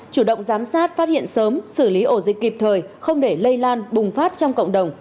chủ động giám sát phát hiện sớm xử lý ổ dịch kịp thời không để lây lan bùng phát trong cộng đồng